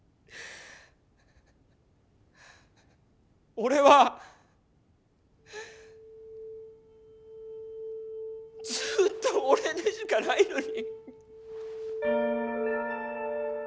俺はずっと俺でしかないのに。